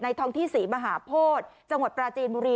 ในทองที่สี่มหาพธจังหวัดปลาจีนมุรี